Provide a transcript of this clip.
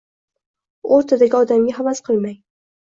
O’rtadagi odamga havas qilmang.